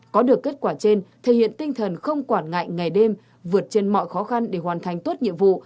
có được kết quả trên thể hiện tinh thần không quản ngại ngày đêm vượt trên mọi khó khăn để hoàn thành tốt nhiệm vụ